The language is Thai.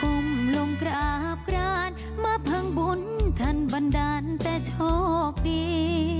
อุ้มลงกราบกรานมาพังบุญทันบันดาลแต่โชคดี